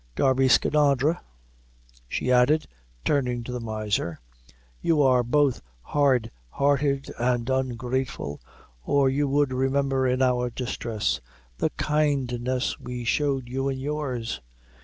Darby Skinadre," she added, turning to the miser, "you are both hard hearted and ungrateful, or you would remember, in our distress, the kindness we showed you in yours.